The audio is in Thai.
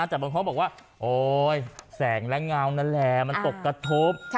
แต่บางคนบอกว่าโอ๊ยแสงและเงานั่นแหละมันตกกระทบ